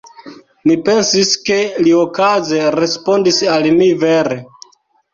Mi pensis, ke li okaze respondis al mi vere.